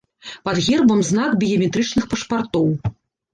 Пад гербам знак біяметрычных пашпартоў.